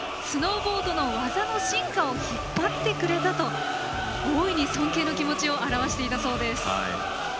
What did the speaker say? スノーボードの技の進化を引っ張ってくれたと大いに尊敬の気持ちを表していたそうです。